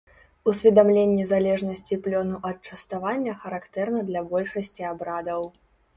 Усведамленне залежнасці плёну ад частавання характэрна для большасці абрадаў.